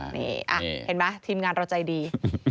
นี่เห็นไหมทีมงานเราใจดี